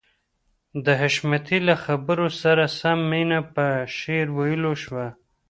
د حشمتي له خبرې سره سم مينه په شعر ويلو شوه.